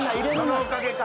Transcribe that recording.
そのおかげか。